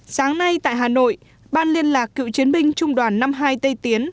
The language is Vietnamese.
sáng nay tại hà nội ban liên lạc cựu chiến binh trung đoàn năm mươi hai tây tiến